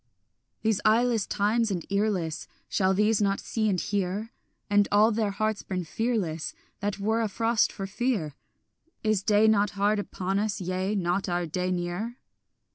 These eyeless times and earless, Shall these not see and hear, And all their hearts burn fearless That were afrost for fear? Is day not hard upon us, yea, not our day near?